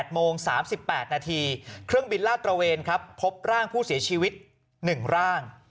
โมง๓๘นาทีเครื่องบินลาดตระเวนครับพบร่างผู้เสียชีวิต๑ร่าง